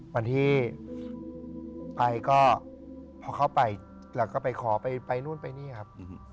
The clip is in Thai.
บรรที่ไปก็พอเข้าไปแล้วก็คอวิสุธิ์ไปนู่นไปนี้ครับ